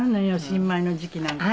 新米の時期なんか。